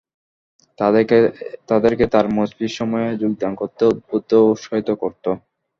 তাদেরকে তার মজলিসসমূহে যোগদান করতে উদ্বুদ্ধ ও উৎসাহিত করত।